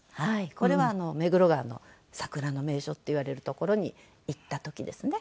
これは目黒川の桜の名所っていわれる所に行った時ですね。